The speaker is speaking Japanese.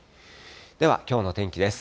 ではきょうの天気です。